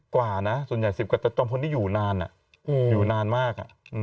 กว่านะส่วนใหญ่๑๐กว่าจะจมพลที่อยู่นานอยู่นานมาก